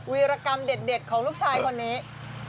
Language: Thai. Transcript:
วิรกรรมเด็ดของลูกชายคนนี้